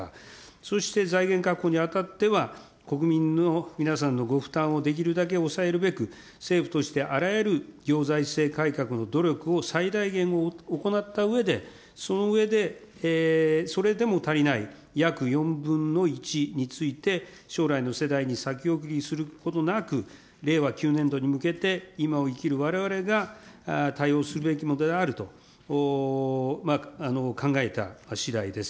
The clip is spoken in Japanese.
そして、財源確保に当たっては国民の皆さんのご負担をできるだけ抑えるべく、政府としてあらゆる行財政改革の努力を最大限行ったうえで、その上でそれでも足りない約４分の１について、将来の世代に先送りすることなく、令和９年度に向けて、今を生きるわれわれが対応すべきものであると考えたしだいです。